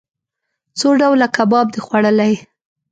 څو ډوله کباب د خوړلئ؟